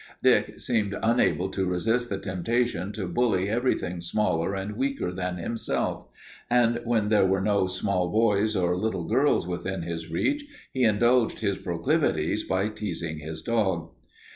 Dick seemed unable to resist the temptation to bully everything smaller and weaker than himself, and when there were no small boys or little girls within his reach he indulged his proclivities by teasing his dog.